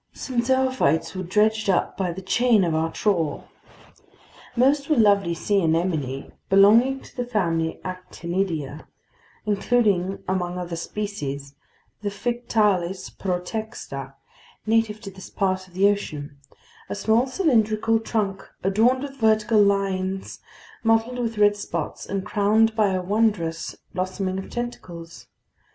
Some zoophytes were dredged up by the chain of our trawl. Most were lovely sea anemone belonging to the family Actinidia, including among other species, the Phyctalis protexta, native to this part of the ocean: a small cylindrical trunk adorned with vertical lines, mottled with red spots, and crowned by a wondrous blossoming of tentacles.